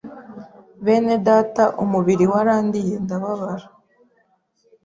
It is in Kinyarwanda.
bene data umubiri warandiye ndababara